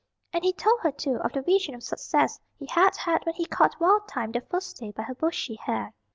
And he told her, too, of the vision of success he had had when he caught Wild Thyme that first day by her bushy hair.